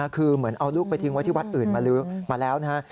คือเหมือนเอาลูกไปทิ้งไว้ที่วัดอื่นมาแล้วนะฮะ